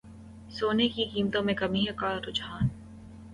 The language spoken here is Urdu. سونے کی قیمتوں میں کمی کا رجحان